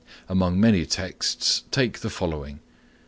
Among many texts take the following.